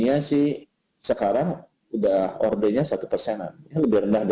jadi sebenarnya tidak terlalu fatal